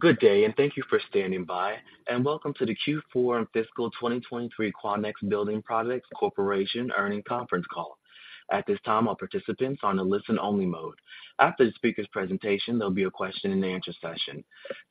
Good day, and thank you for standing by, and welcome to the Q4 and Fiscal 2023 Quanex Building Products Corporation Earnings Conference Call. At this time, all participants are on a listen-only mode. After the speaker's presentation, there'll be a question-and-answer session.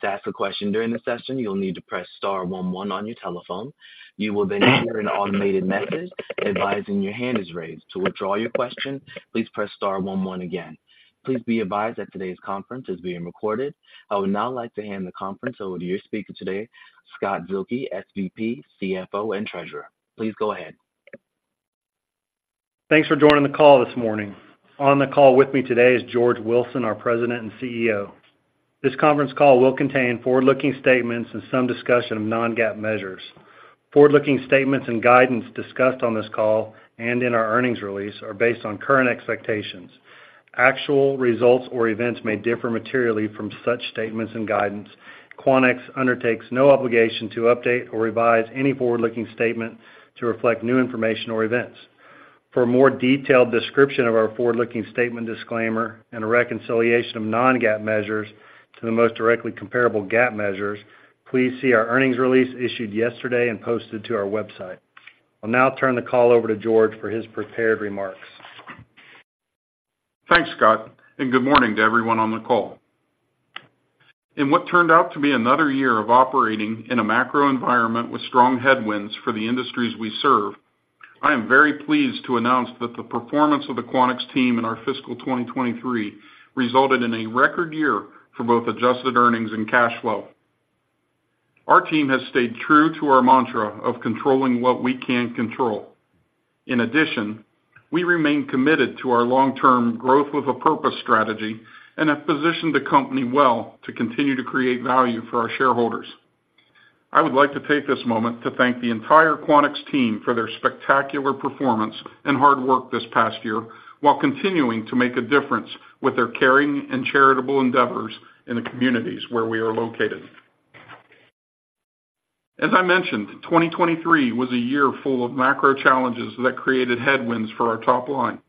To ask a question during the session, you'll need to press star one one on your telephone. You will then hear an automated message advising your hand is raised. To withdraw your question, please press star one one again. Please be advised that today's conference is being recorded. I would now like to hand the conference over to your speaker today, Scott Zuehlke, SVP, CFO, and Treasurer. Please go ahead. Thanks for joining the call this morning. On the call with me today is George Wilson, our President and CEO. This conference call will contain forward-looking statements and some discussion of non-GAAP measures. Forward-looking statements and guidance discussed on this call and in our earnings release are based on current expectations. Actual results or events may differ materially from such statements and guidance. Quanex undertakes no obligation to update or revise any forward-looking statement to reflect new information or events. For a more detailed description of our forward-looking statement disclaimer and a reconciliation of non-GAAP measures to the most directly comparable GAAP measures, please see our earnings release issued yesterday and posted to our website. I'll now turn the call over to George for his prepared remarks. Thanks, Scott, and good morning to everyone on the call. In what turned out to be another year of operating in a macro environment with strong headwinds for the industries we serve, I am very pleased to announce that the performance of the Quanex team in our fiscal 2023 resulted in a record year for both adjusted earnings and cash flow. Our team has stayed true to our mantra of controlling what we can control. In addition, we remain committed to our long-term growth with a purpose strategy and have positioned the company well to continue to create value for our shareholders. I would like to take this moment to thank the entire Quanex team for their spectacular performance and hard work this past year, while continuing to make a difference with their caring and charitable endeavors in the communities where we are located. As I mentioned, 2023 was a year full of macro challenges that created headwinds for our top line.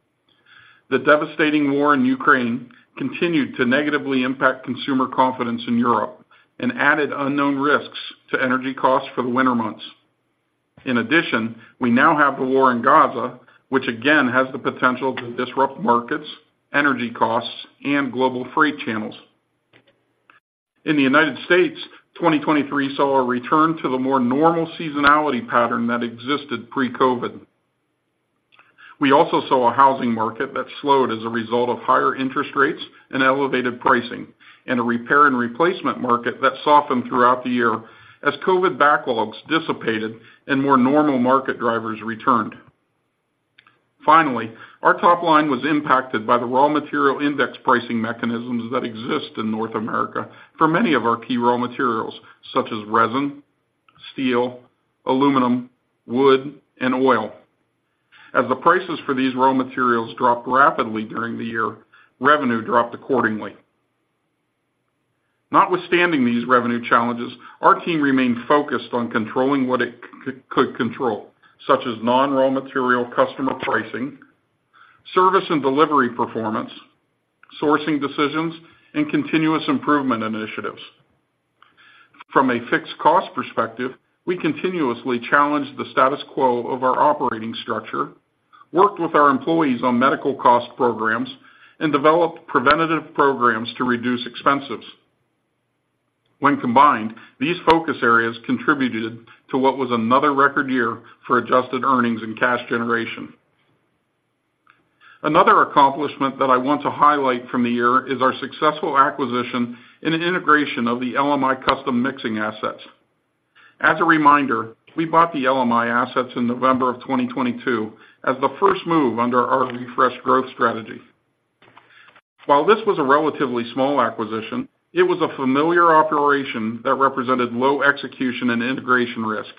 The devastating war in Ukraine continued to negatively impact consumer confidence in Europe and added unknown risks to energy costs for the winter months. In addition, we now have the war in Gaza, which again, has the potential to disrupt markets, energy costs, and global freight channels. In the United States, 2023 saw a return to the more normal seasonality pattern that existed pre-COVID. We also saw a housing market that slowed as a result of higher interest rates and elevated pricing, and a repair and replacement market that softened throughout the year as COVID backlogs dissipated and more normal market drivers returned. Finally, our top line was impacted by the raw material index pricing mechanisms that exist in North America for many of our key raw materials, such as resin, steel, aluminum, wood, and oil. As the prices for these raw materials dropped rapidly during the year, revenue dropped accordingly. Notwithstanding these revenue challenges, our team remained focused on controlling what it could control, such as non-raw material customer pricing, service and delivery performance, sourcing decisions, and continuous improvement initiatives. From a fixed cost perspective, we continuously challenged the status quo of our operating structure, worked with our employees on medical cost programs, and developed preventative programs to reduce expenses. When combined, these focus areas contributed to what was another record year for adjusted earnings and cash generation. Another accomplishment that I want to highlight from the year is our successful acquisition and integration of the LMI Custom Mixing assets. As a reminder, we bought the LMI assets in November 2022 as the first move under our refreshed growth strategy. While this was a relatively small acquisition, it was a familiar operation that represented low execution and integration risk.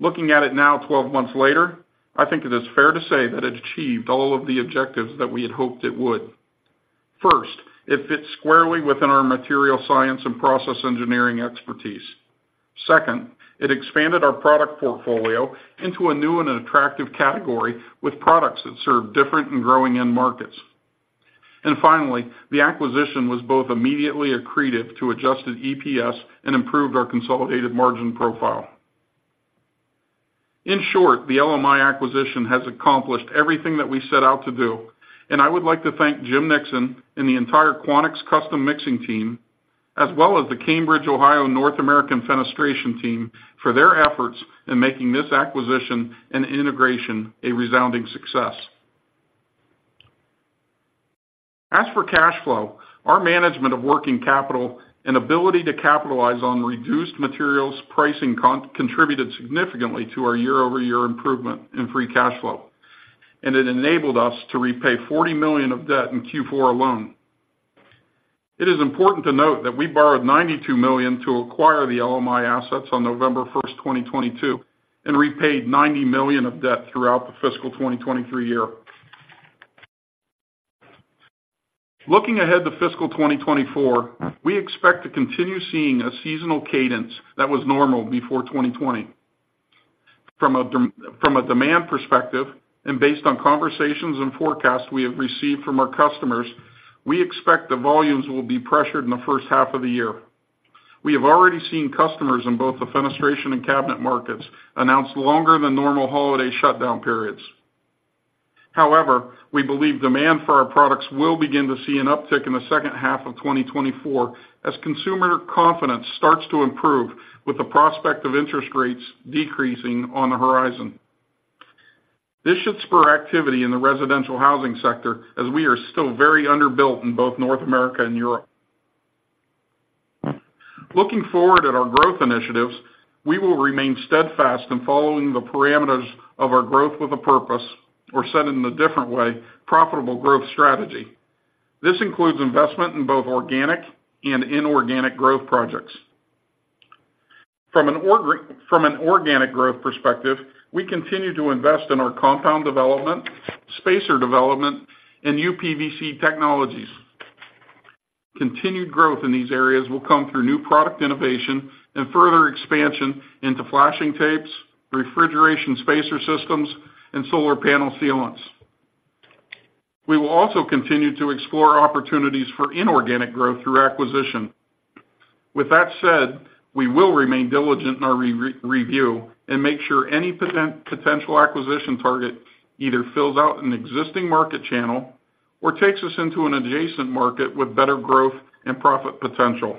Looking at it now, 12 months later, I think it is fair to say that it achieved all of the objectives that we had hoped it would. First, it fits squarely within our material science and process engineering expertise. Second, it expanded our product portfolio into a new and attractive category with products that serve different and growing end markets. And finally, the acquisition was both immediately accretive to Adjusted EPS and improved our consolidated margin profile. In short, the LMI acquisition has accomplished everything that we set out to do, and I would like to thank Jim Nixon and the entire Quanex Custom Mixing team, as well as the Cambridge, Ohio, North American fenestration team, for their efforts in making this acquisition and integration a resounding success. As for cash flow, our management of working capital and ability to capitalize on reduced materials pricing contributed significantly to our year-over-year improvement in free cash flow, and it enabled us to repay $40 million of debt in Q4 alone. It is important to note that we borrowed $92 million to acquire the LMI assets on November 1st, 2022, and repaid $90 million of debt throughout the fiscal 2023 year. Looking ahead to fiscal 2024, we expect to continue seeing a seasonal cadence that was normal before 2020. From a demand perspective, and based on conversations and forecasts we have received from our customers, we expect the volumes will be pressured in the first half of the year. We have already seen customers in both the fenestration and cabinet markets announce longer than normal holiday shutdown periods. However, we believe demand for our products will begin to see an uptick in the second half of 2024 as consumer confidence starts to improve with the prospect of interest rates decreasing on the horizon. This should spur activity in the residential housing sector, as we are still very underbuilt in both North America and Europe. Looking forward at our growth initiatives, we will remain steadfast in following the parameters of our growth with a purpose, or said in a different way, profitable growth strategy. This includes investment in both organic and inorganic growth projects. From an organic growth perspective, we continue to invest in our compound development, spacer development, and uPVC technologies. Continued growth in these areas will come through new product innovation and further expansion into flashing tapes, refrigeration spacer systems, and solar panel sealants. We will also continue to explore opportunities for inorganic growth through acquisition. With that said, we will remain diligent in our review and make sure any potential acquisition target either fills out an existing market channel or takes us into an adjacent market with better growth and profit potential.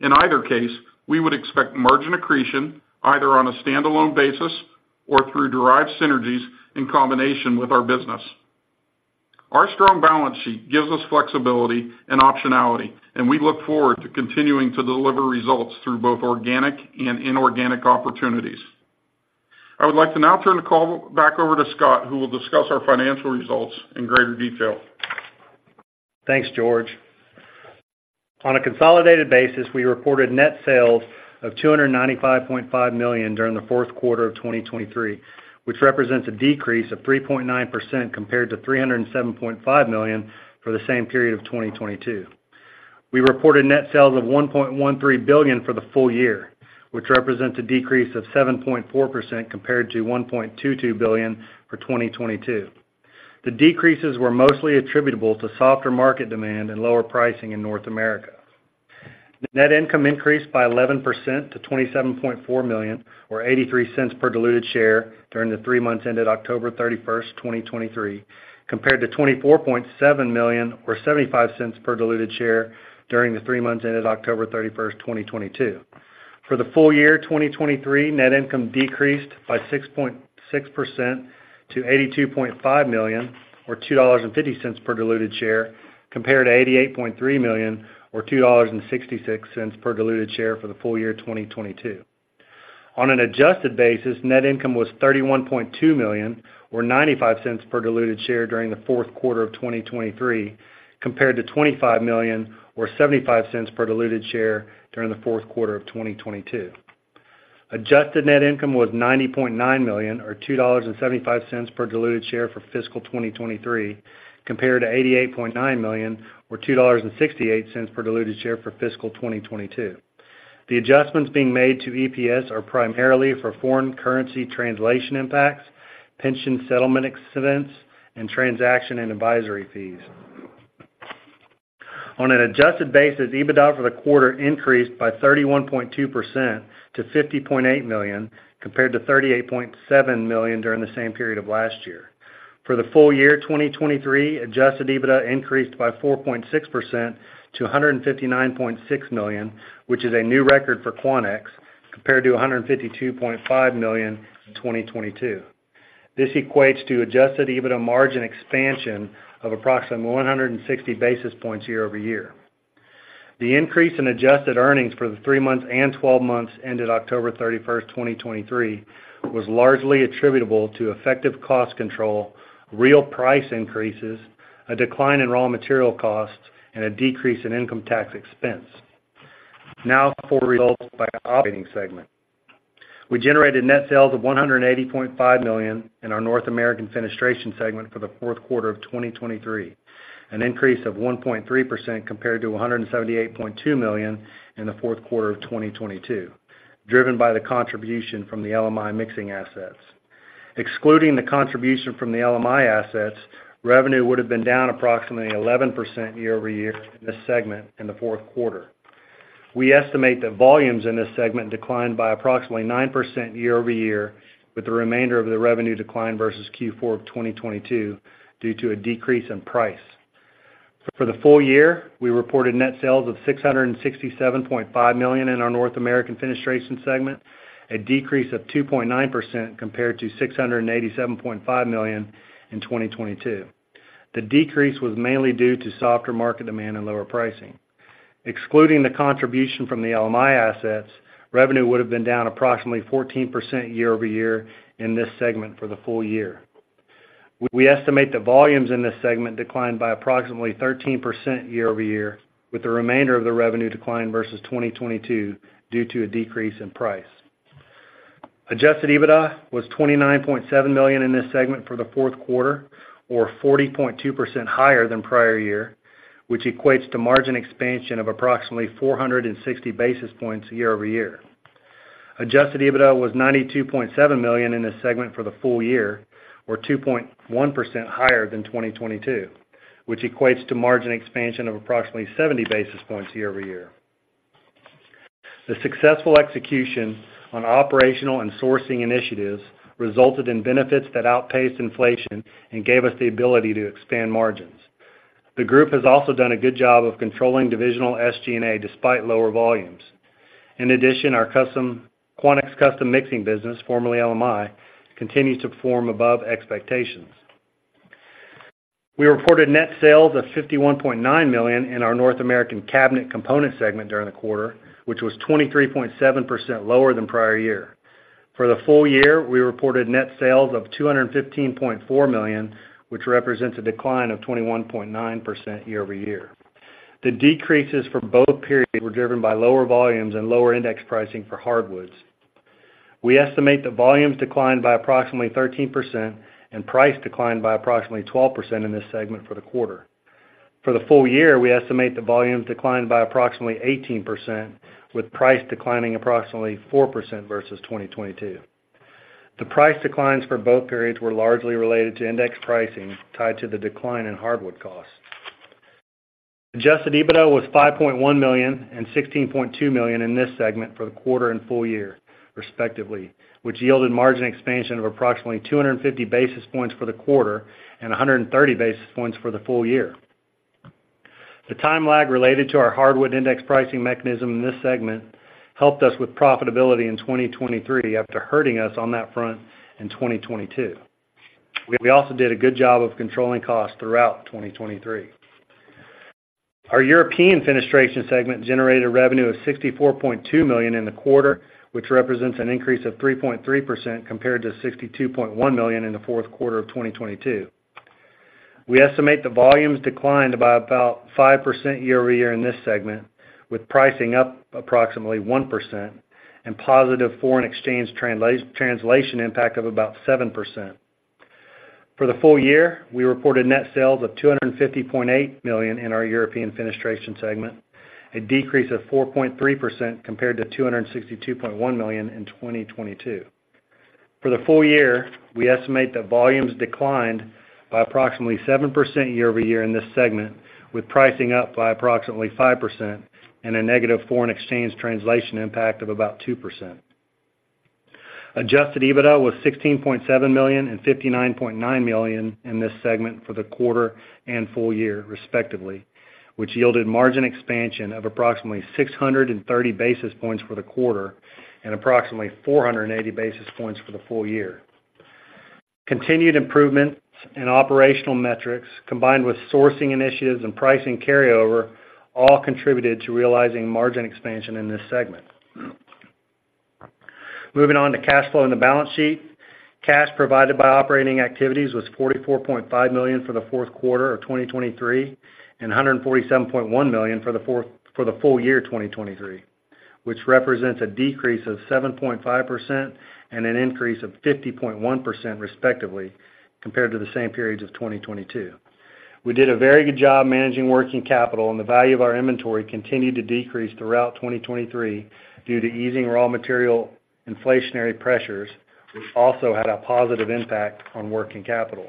In either case, we would expect margin accretion, either on a standalone basis or through derived synergies in combination with our business. Our strong balance sheet gives us flexibility and optionality, and we look forward to continuing to deliver results through both organic and inorganic opportunities. I would like to now turn the call back over to Scott, who will discuss our financial results in greater detail. Thanks, George. On a consolidated basis, we reported net sales of $295.5 million during the fourth quarter of 2023, which represents a decrease of 3.9% compared to $307.5 million for the same period of 2022. We reported net sales of $1.13 billion for the full year, which represents a decrease of 7.4% compared to $1.22 billion for 2022. The decreases were mostly attributable to softer market demand and lower pricing in North America. Net income increased by 11% to $27.4 million, or $0.83 per diluted share during the three months ended October 31st, 2023, compared to $24.7 million, or $0.75 per diluted share during the three months ended October 31st, 2022. For the full year, 2023, net income decreased by 6.6% to $82.5 million, or $2.50 per diluted share, compared to $88.3 million, or $2.66 per diluted share for the full year, 2022. On an adjusted basis, net income was $31.2 million, or $0.95 per diluted share during the fourth quarter of 2023, compared to $25 million or $0.75 per diluted share during the fourth quarter of 2022. Adjusted net income was $90.9 million, or $2.75 per diluted share for fiscal 2023, compared to $88.9 million, or $2.68 per diluted share for fiscal 2022. The adjustments being made to EPS are primarily for foreign currency translation impacts, pension settlement costs, and transaction and advisory fees. On an adjusted basis, EBITDA for the quarter increased by 31.2% to $50.8 million, compared to $38.7 million during the same period of last year. For the full year, 2023, Adjusted EBITDA increased by 4.6% to $159.6 million, which is a new record for Quanex, compared to $152.5 million in 2022. This equates to Adjusted EBITDA margin expansion of approximately 160 basis points year-over-year. The increase in adjusted earnings for the three months and twelve months ended October 31, 2023, was largely attributable to effective cost control, real price increases, a decline in raw material costs, and a decrease in income tax expense. Now for results by operating segment. We generated net sales of $180.5 million in our North American Fenestration segment for the fourth quarter of 2023, an increase of 1.3% compared to $178.2 million in the fourth quarter of 2022, driven by the contribution from the LMI mixing assets. Excluding the contribution from the LMI assets, revenue would have been down approximately 11% year-over-year in this segment in the fourth quarter. We estimate that volumes in this segment declined by approximately 9% year-over-year, with the remainder of the revenue decline versus Q4 of 2022 due to a decrease in price. For the full year, we reported net sales of $667.5 million in our North American Fenestration segment, a decrease of 2.9% compared to $687.5 million in 2022. The decrease was mainly due to softer market demand and lower pricing. Excluding the contribution from the LMI assets, revenue would have been down approximately 14% year-over-year in this segment for the full year. We estimate the volumes in this segment declined by approximately 13% year-over-year, with the remainder of the revenue decline versus 2022 due to a decrease in price. Adjusted EBITDA was $29.7 million in this segment for the fourth quarter, or 40.2% higher than prior year, which equates to margin expansion of approximately 460 basis points year-over-year. Adjusted EBITDA was $92.7 million in this segment for the full year, or 2.1% higher than 2022, which equates to margin expansion of approximately 70 basis points year-over-year. The successful execution on operational and sourcing initiatives resulted in benefits that outpaced inflation and gave us the ability to expand margins. The group has also done a good job of controlling divisional SG&A, despite lower volumes. In addition, our custom Quanex Custom Mixing business, formerly LMI, continues to perform above expectations. We reported net sales of $51.9 million in our North American Cabinet Components segment during the quarter, which was 23.7% lower than prior year. For the full year, we reported net sales of $215.4 million, which represents a decline of 21.9% year-over-year. The decreases for both periods were driven by lower volumes and lower index pricing for hardwoods. We estimate the volumes declined by approximately 13% and price declined by approximately 12% in this segment for the quarter. For the full year, we estimate the volume declined by approximately 18%, with price declining approximately 4% versus 2022. The price declines for both periods were largely related to index pricing tied to the decline in hardwood costs. Adjusted EBITDA was $5.1 million and $16.2 million in this segment for the quarter and full year, respectively, which yielded margin expansion of approximately 250 basis points for the quarter and 130 basis points for the full year. The time lag related to our hardwood index pricing mechanism in this segment helped us with profitability in 2023, after hurting us on that front in 2022. We also did a good job of controlling costs throughout 2023. Our European Fenestration segment generated revenue of $64.2 million in the quarter, which represents an increase of 3.3% compared to $62.1 million in the fourth quarter of 2022. We estimate the volumes declined by about 5% year-over-year in this segment, with pricing up approximately 1% and positive foreign exchange translation impact of about 7%. For the full year, we reported net sales of $250.8 million in our European Fenestration segment, a decrease of 4.3% compared to $262.1 million in 2022. For the full year, we estimate that volumes declined by approximately 7% year-over-year in this segment, with pricing up by approximately 5% and a negative foreign exchange translation impact of about 2%. Adjusted EBITDA was $16.7 million and $59.9 million in this segment for the quarter and full year, respectively, which yielded margin expansion of approximately 630 basis points for the quarter and approximately 480 basis points for the full year. Continued improvements in operational metrics, combined with sourcing initiatives and pricing carryover, all contributed to realizing margin expansion in this segment. Moving on to cash flow and the balance sheet. Cash provided by operating activities was $44.5 million for the fourth quarter of 2023, and $147.1 million for the full year 2023, which represents a decrease of 7.5% and an increase of 50.1%, respectively, compared to the same periods of 2022. We did a very good job managing working capital, and the value of our inventory continued to decrease throughout 2023 due to easing raw material inflationary pressures, which also had a positive impact on working capital.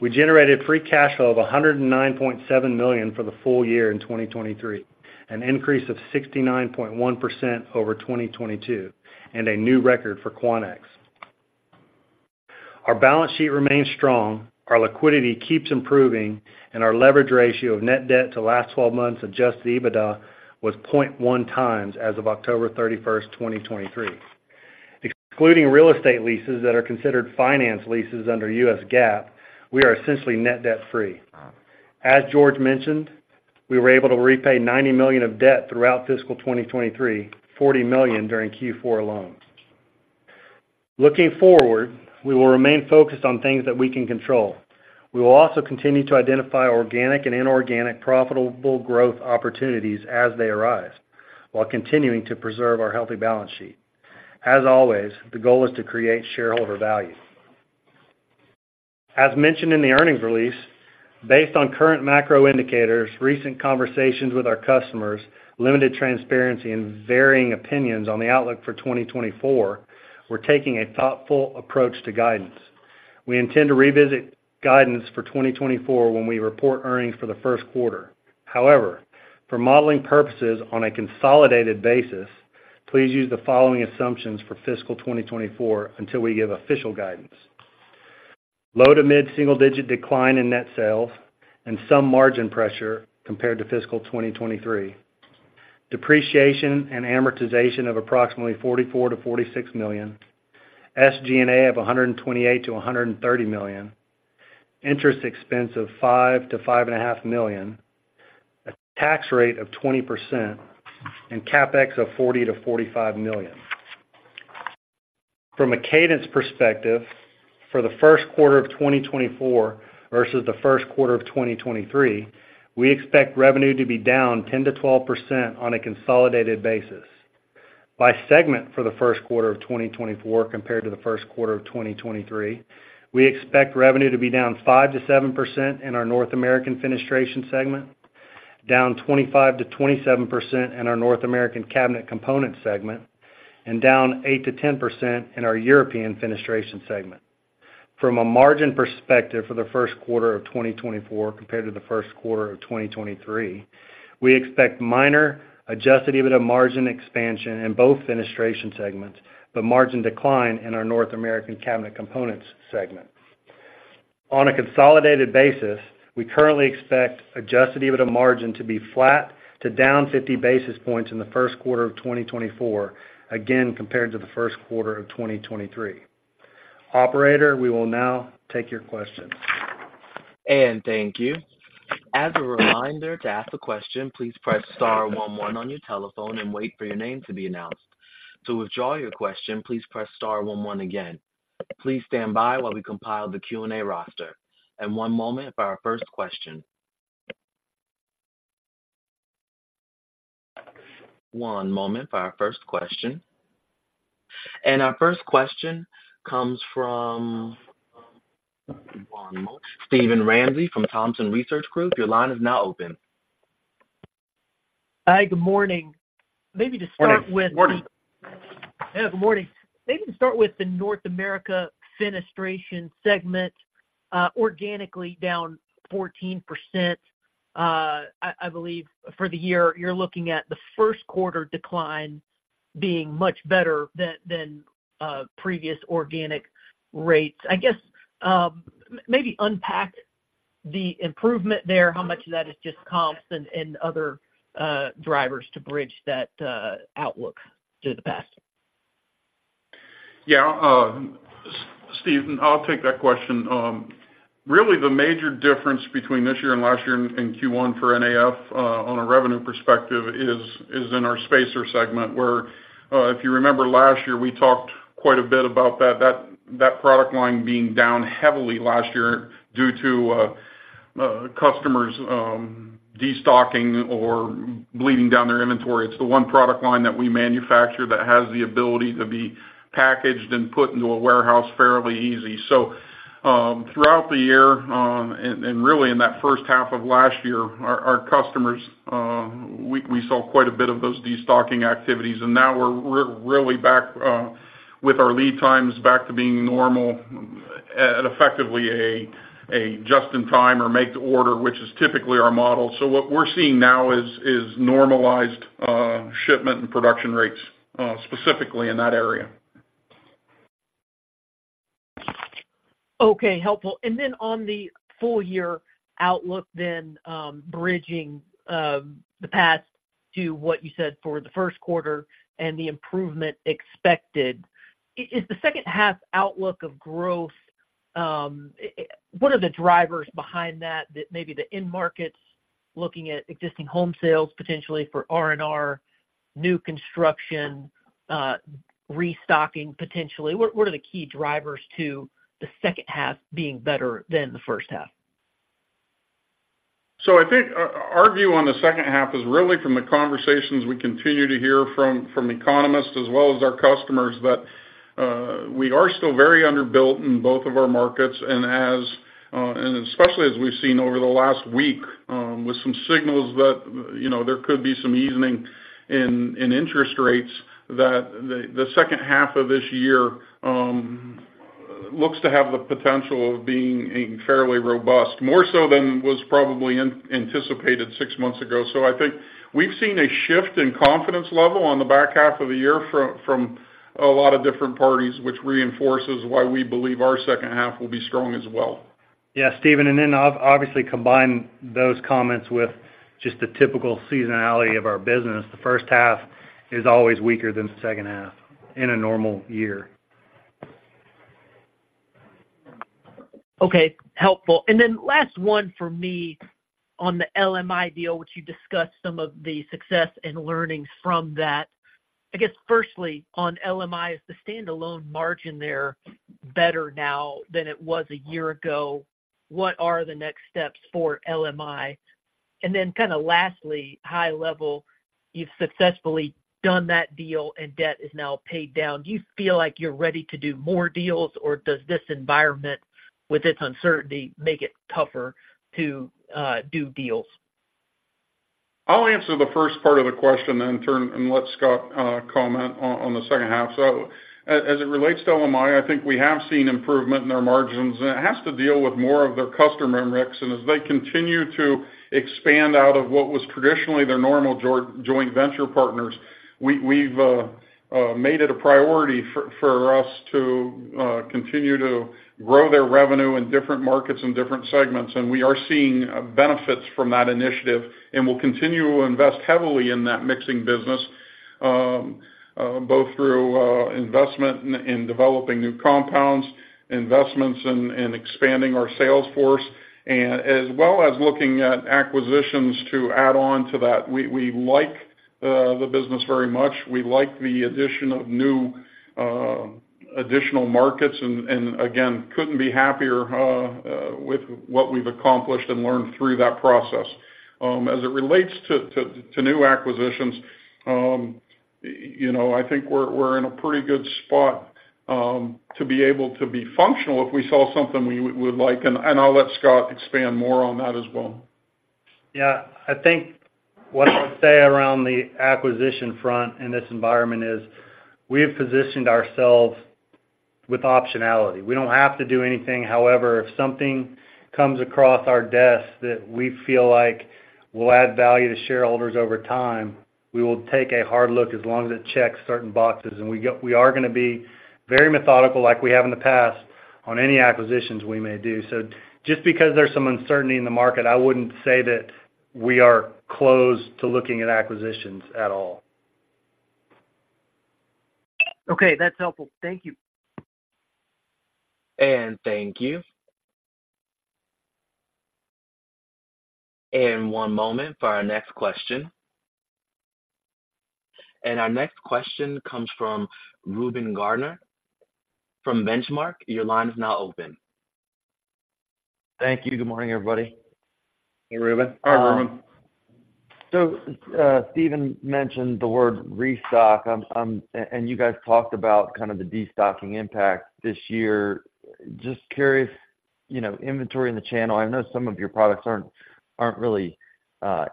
We generated free cash flow of $109.7 million for the full year in 2023, an increase of 69.1% over 2022, and a new record for Quanex. Our balance sheet remains strong, our liquidity keeps improving, and our leverage ratio of net debt to last twelve months Adjusted EBITDA was 0.1 times as of October 31, 2023. Excluding real estate leases that are considered finance leases under U.S. GAAP, we are essentially net debt-free. As George mentioned, we were able to repay $90 million of debt throughout fiscal 2023, $40 million during Q4 alone. Looking forward, we will remain focused on things that we can control. We will also continue to identify organic and inorganic profitable growth opportunities as they arise, while continuing to preserve our healthy balance sheet. As always, the goal is to create shareholder value. As mentioned in the earnings release, based on current macro indicators, recent conversations with our customers, limited transparency, and varying opinions on the outlook for 2024, we're taking a thoughtful approach to guidance. We intend to revisit guidance for 2024 when we report earnings for the first quarter. However, for modeling purposes, on a consolidated basis, please use the following assumptions for fiscal 2024 until we give official guidance. Low to mid-single-digit decline in net sales and some margin pressure compared to fiscal 2023. Depreciation and amortization of approximately $44 million-$46 million. SG&A of $128 million-$130 million. Interest expense of $5 million-$5.5 million. A tax rate of 20%, and CapEx of $40 million-$45 million. From a cadence perspective, for the first quarter of 2024 versus the first quarter of 2023, we expect revenue to be down 10%-12% on a consolidated basis. By segment for the first quarter of 2024 compared to the first quarter of 2023, we expect revenue to be down 5%-7% in our North American Fenestration segment, down 25%-27% in our North American Cabinet Components segment, and down 8%-10% in our European Fenestration segment. From a margin perspective for the first quarter of 2024 compared to the first quarter of 2023, we expect minor Adjusted EBITDA margin expansion in both fenestration segments, but margin decline in our North American Cabinet Components segment. On a consolidated basis, we currently expect Adjusted EBITDA margin to be flat to down 50 basis points in the first quarter of 2024, again, compared to the first quarter of 2023. Operator, we will now take your questions. Thank you. As a reminder, to ask a question, please press star one one on your telephone and wait for your name to be announced. To withdraw your question, please press star one one again. Please stand by while we compile the Q&A roster. One moment for our first question. One moment for our first question. Our first question comes from, one moment, Steven Ramsey from Thompson Research Group. Your line is now open. Hi, good morning. Maybe to start with- Morning. Yeah, good morning. Maybe to start with the North American Fenestration segment, organically down 14%, I believe for the year, you're looking at the first quarter decline being much better than previous organic rates. I guess, maybe unpack the improvement there, how much of that is just comps and other drivers to bridge that outlook to the past? Yeah, Steven, I'll take that question. Really, the major difference between this year and last year in Q1 for NAF, on a revenue perspective is in our spacer segment, where, if you remember last year, we talked quite a bit about that product line being down heavily last year due to customers destocking or bleeding down their inventory. It's the one product line that we manufacture that has the ability to be packaged and put into a warehouse fairly easy. So, throughout the year, and really in that first half of last year, our customers, we saw quite a bit of those destocking activities, and now we're really back with our lead times back to being normal at effectively a just-in-time or make-to-order, which is typically our model. So what we're seeing now is normalized shipment and production rates, specifically in that area. Okay, helpful. And then on the full year outlook, bridging the past to what you said for the first quarter and the improvement expected, is the second half outlook of growth... What are the drivers behind that, that maybe the end markets looking at existing home sales, potentially for R&R, new construction, restocking, potentially? What are the key drivers to the second half being better than the first half? So I think our view on the second half is really from the conversations we continue to hear from economists as well as our customers, that we are still very underbuilt in both of our markets. And as and especially as we've seen over the last week, with some signals that, you know, there could be some easing in interest rates, that the second half of this year looks to have the potential of being fairly robust, more so than was probably anticipated six months ago. So I think we've seen a shift in confidence level on the back half of the year from a lot of different parties, which reinforces why we believe our second half will be strong as well. Yeah, Steven, and then obviously, combine those comments with just the typical seasonality of our business. The first half is always weaker than the second half in a normal year. Okay, helpful. And then last one for me on the LMI deal, which you discussed some of the success and learnings from that. I guess, firstly, on LMI, is the standalone margin there better now than it was a year ago? What are the next steps for LMI? And then kinda lastly, high level, you've successfully done that deal and debt is now paid down. Do you feel like you're ready to do more deals, or does this environment, with its uncertainty, make it tougher to do deals? I'll answer the first part of the question, then turn and let Scott comment on the second half. So as it relates to LMI, I think we have seen improvement in their margins, and it has to deal with more of their customer mix. And as they continue to expand out of what was traditionally their normal joint venture partners, we've made it a priority for us to continue to grow their revenue in different markets and different segments. And we are seeing benefits from that initiative, and we'll continue to invest heavily in that mixing business, both through investment in developing new compounds, investments in expanding our sales force, and as well as looking at acquisitions to add on to that. We like the business very much. We like the addition of new, additional markets, and again, couldn't be happier with what we've accomplished and learned through that process. As it relates to new acquisitions, you know, I think we're in a pretty good spot to be able to be functional if we saw something we would like, and I'll let Scott expand more on that as well. Yeah, I think what I'll say around the acquisition front in this environment is, we have positioned ourselves with optionality. We don't have to do anything. However, if something comes across our desk that we feel like will add value to shareholders over time, we will take a hard look as long as it checks certain boxes. And we are gonna be very methodical, like we have in the past, on any acquisitions we may do. So just because there's some uncertainty in the market, I wouldn't say that we are closed to looking at acquisitions at all. Okay, that's helpful. Thank you. Thank you. One moment for our next question. Our next question comes from Reuben Garner from Benchmark. Your line is now open. Thank you. Good morning, everybody. Hey, Reuben. Hi, Reuben. So, Steven mentioned the word restock. And you guys talked about kind of the destocking impact this year. Just curious, you know, inventory in the channel. I know some of your products aren't really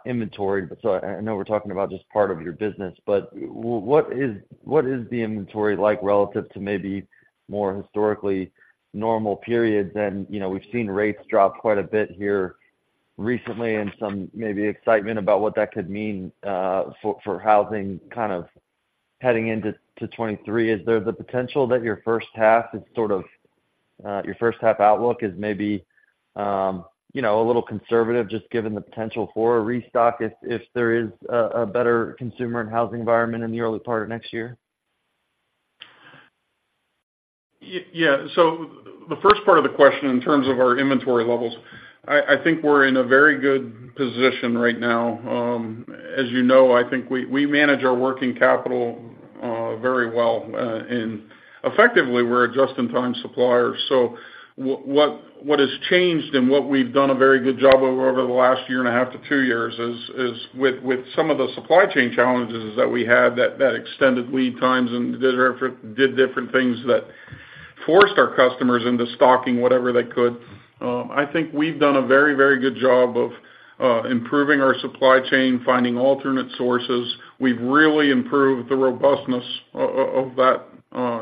inventory, but so I know we're talking about just part of your business. But what is the inventory like relative to maybe more historically normal periods? And, you know, we've seen rates drop quite a bit here recently, and some maybe excitement about what that could mean for housing kind of heading into 2023. Is there the potential that your first half is sort of your first half outlook is maybe, you know, a little conservative, just given the potential for a restock, if there is a better consumer and housing environment in the early part of next year? Yeah. So the first part of the question, in terms of our inventory levels, I think we're in a very good position right now. As you know, I think we manage our working capital very well. And effectively, we're a just-in-time supplier. So what has changed and what we've done a very good job over the last year and a half to two years is with some of the supply chain challenges that we had that extended lead times and did different things that forced our customers into stocking whatever they could. I think we've done a very, very good job of improving our supply chain, finding alternate sources. We've really improved the robustness of that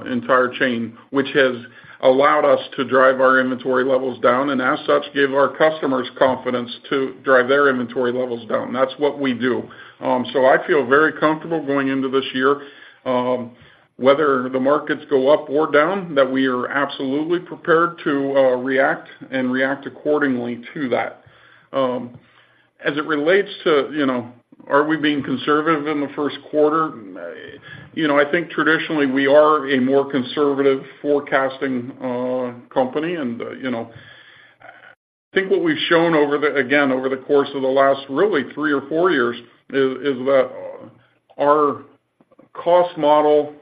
entire chain, which has allowed us to drive our inventory levels down, and as such, give our customers confidence to drive their inventory levels down. That's what we do. So I feel very comfortable going into this year, whether the markets go up or down, that we are absolutely prepared to react and react accordingly to that. As it relates to, you know, are we being conservative in the first quarter? You know, I think traditionally we are a more conservative forecasting company. And, you know, I think what we've shown over the course of the last really three or four years is that our cost model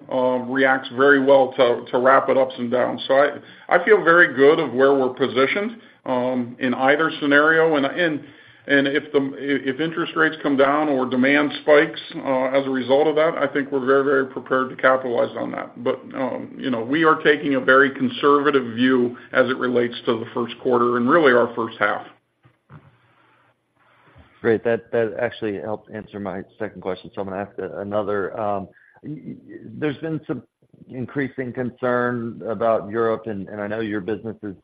reacts very well to rapid ups and downs. So I feel very good of where we're positioned in either scenario. And if interest rates come down or demand spikes as a result of that, I think we're very, very prepared to capitalize on that. But you know, we are taking a very conservative view as it relates to the first quarter and really our first half. Great. That actually helped answer my second question, so I'm gonna ask another. There's been some increasing concern about Europe, and I know your business is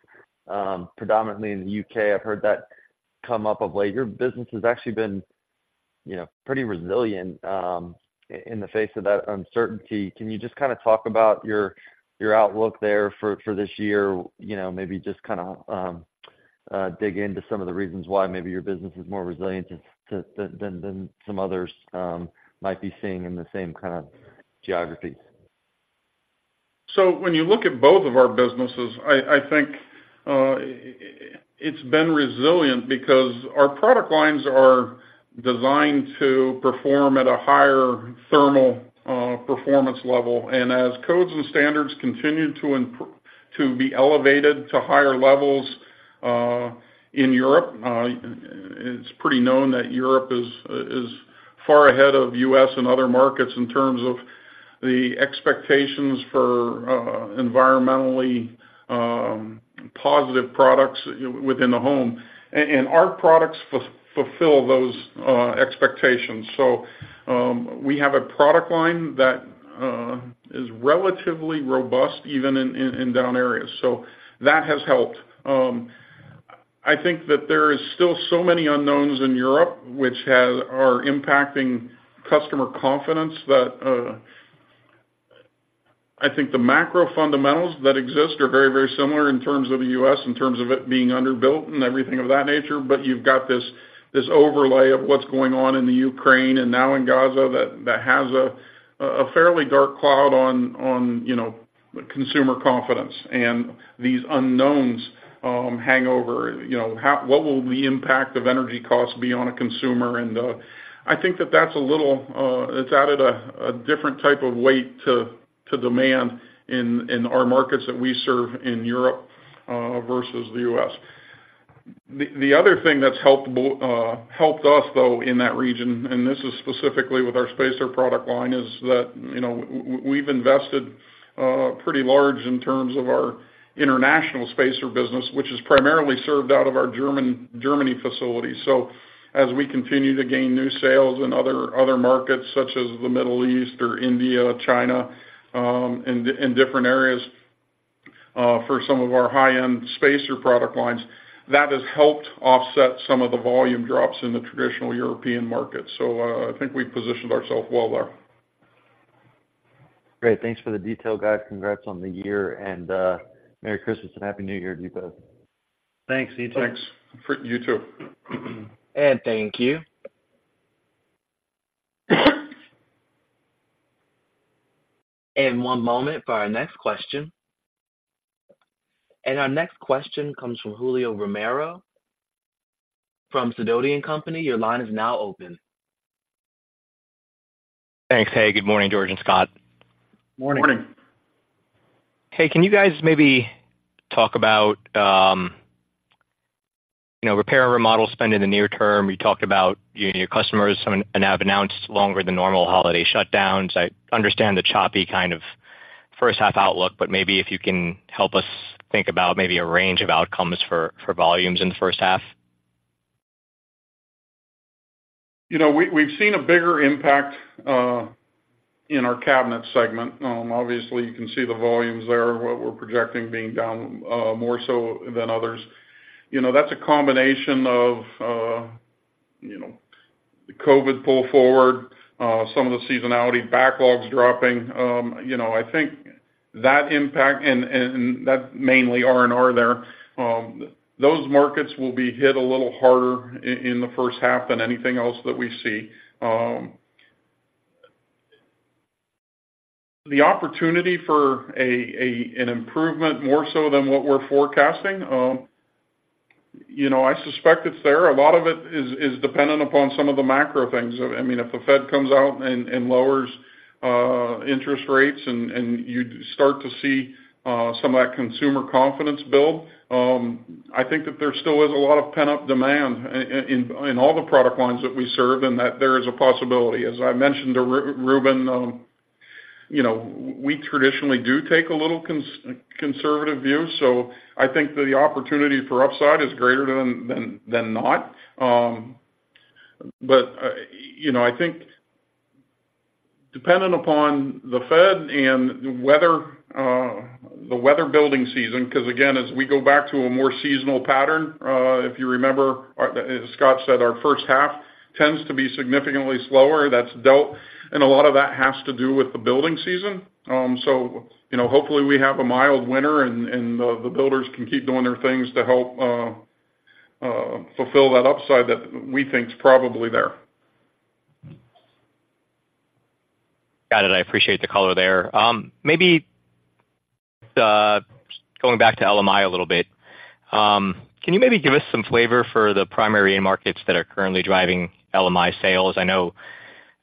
predominantly in the U.K. I've heard that come up of late. Your business has actually been, you know, pretty resilient in the face of that uncertainty. Can you just kind of talk about your outlook there for this year? You know, maybe just kind of dig into some of the reasons why maybe your business is more resilient than some others might be seeing in the same kind of geographies. So when you look at both of our businesses, I think it's been resilient because our product lines are designed to perform at a higher thermal performance level. And as codes and standards continue to be elevated to higher levels in Europe, it's pretty known that Europe is far ahead of U.S. and other markets in terms of the expectations for environmentally positive products within the home. And our products fulfill those expectations. So we have a product line that is relatively robust, even in down areas. So that has helped. I think that there is still so many unknowns in Europe, which are impacting customer confidence, that I think the macro fundamentals that exist are very, very similar in terms of the U.S., in terms of it being underbuilt and everything of that nature. But you've got this overlay of what's going on in the Ukraine and now in Gaza, that has a fairly dark cloud on, you know, consumer confidence. And these unknowns hang over, you know, how—what will the impact of energy costs be on a consumer? And I think that that's a little—it's added a different type of weight to demand in our markets that we serve in Europe versus the U.S. The other thing that's helped us, though, in that region, and this is specifically with our spacer product line, is that, you know, we've invested pretty large in terms of our international spacer business, which is primarily served out of our Germany facility. So as we continue to gain new sales in other markets such as the Middle East or India, China, and in different areas for some of our high-end spacer product lines, that has helped offset some of the volume drops in the traditional European market. So, I think we've positioned ourselves well there. Great. Thanks for the detail, guys. Congrats on the year, and Merry Christmas and Happy New Year to you both. Thanks, you too. Thanks. For you, too. Thank you. One moment for our next question. Our next question comes from Julio Romero from Sidoti & Company. Your line is now open. Thanks. Hey, good morning, George and Scott. Morning. Morning. Hey, can you guys maybe talk about, you know, repair and remodel spend in the near term? You talked about you and your customers have announced longer than normal holiday shutdowns. I understand the choppy kind of first half outlook, but maybe if you can help us think about maybe a range of outcomes for volumes in the first half. You know, we, we've seen a bigger impact in our cabinet segment. Obviously, you can see the volumes there, what we're projecting being down more so than others. You know, that's a combination of, you know, the COVID pull forward, some of the seasonality, backlogs dropping. You know, I think that impact and that's mainly R&R there, those markets will be hit a little harder in the first half than anything else that we see. The opportunity for an improvement more so than what we're forecasting, you know, I suspect it's there. A lot of it is dependent upon some of the macro things. I mean, if the Fed comes out and lowers interest rates and you start to see some of that consumer confidence build, I think that there still is a lot of pent-up demand in all the product lines that we serve, and that there is a possibility. As I mentioned to Reuben, you know, we traditionally do take a little conservative view, so I think the opportunity for upside is greater than not. But you know, I think dependent upon the Fed and the weather, the weather building season, because, again, as we go back to a more seasonal pattern, if you remember, our, as Scott said, our first half tends to be significantly slower. That's dealt, and a lot of that has to do with the building season. So, you know, hopefully, we have a mild winter and the builders can keep doing their things to help fulfill that upside that we think is probably there. Got it. I appreciate the color there. Maybe, going back to LMI a little bit, can you maybe give us some flavor for the primary end markets that are currently driving LMI sales? I know,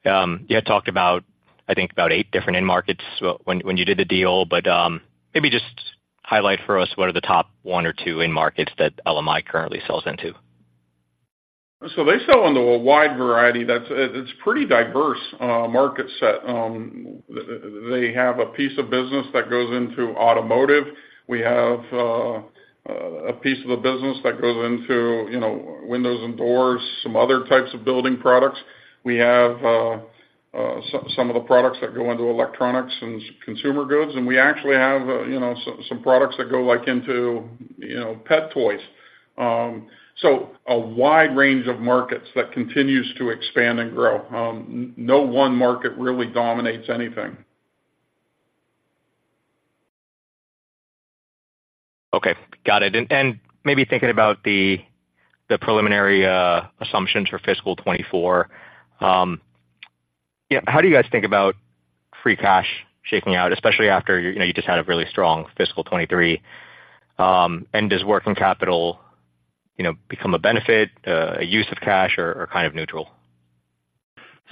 you had talked about, I think about eight different end markets when you did the deal, but, maybe just highlight for us what are the top one or two end markets that LMI currently sells into? So they sell into a wide variety. That's it, it's pretty diverse market set. They have a piece of business that goes into automotive. We have a piece of the business that goes into, you know, windows and doors, some other types of building products. We have some of the products that go into electronics and consumer goods, and we actually have, you know, some products that go, like, into, you know, pet toys. So a wide range of markets that continues to expand and grow. No one market really dominates anything. Okay, got it. And maybe thinking about the preliminary assumptions for fiscal 2024, how do you guys think about free cash shaking out, especially after, you know, you just had a really strong fiscal 2023? And does working capital, you know, become a benefit, a use of cash, or kind of neutral?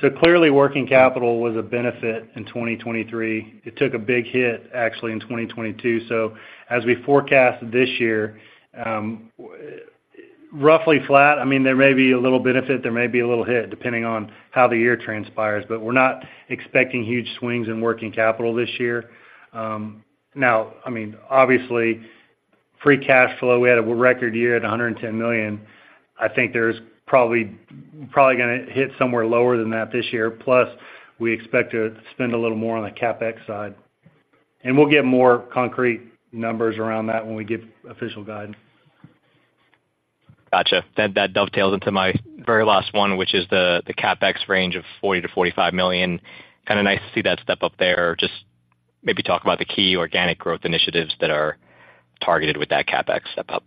So clearly, working capital was a benefit in 2023. It took a big hit, actually, in 2022. So as we forecast this year, roughly flat, I mean, there may be a little benefit, there may be a little hit, depending on how the year transpires, but we're not expecting huge swings in working capital this year. Now, I mean, obviously, free cash flow, we had a record year at $110 million. I think there's probably, probably gonna hit somewhere lower than that this year, plus we expect to spend a little more on the CapEx side. And we'll get more concrete numbers around that when we give official guidance. Gotcha. That dovetails into my very last one, which is the CapEx range of $40 million-$45 million. Kind of nice to see that step up there. Just maybe talk about the key organic growth initiatives that are targeted with that CapEx step up.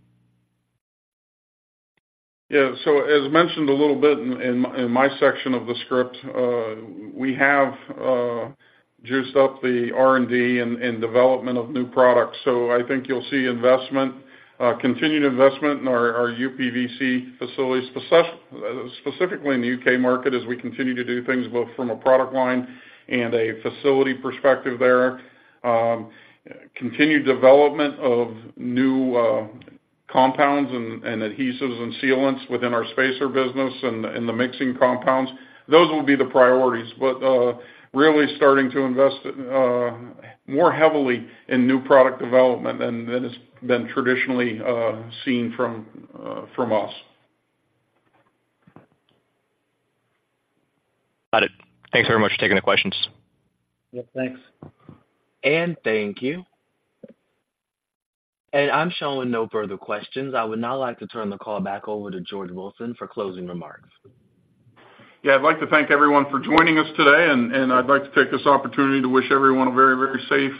Yeah. So as mentioned a little bit in my section of the script, we have juiced up the R&D and development of new products, so I think you'll see investment, continued investment in our uPVC facilities, specifically in the U.K. market, as we continue to do things both from a product line and a facility perspective there. Continued development of new compounds and adhesives and sealants within our spacer business and the mixing compounds. Those will be the priorities, but really starting to invest more heavily in new product development than has been traditionally seen from us. Got it. Thanks very much for taking the questions. Yeah, thanks. Thank you. I'm showing no further questions. I would now like to turn the call back over to George Wilson for closing remarks. Yeah, I'd like to thank everyone for joining us today, and I'd like to take this opportunity to wish everyone a very, very safe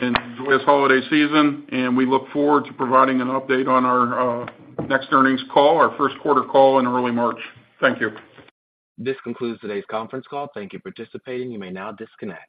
and joyous holiday season, and we look forward to providing an update on our next earnings call, our first quarter call in early March. Thank you. This concludes today's conference call. Thank you for participating. You may now disconnect.